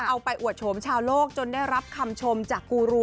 เอาไปอวดโฉมชาวโลกจนได้รับคำชมจากกูรู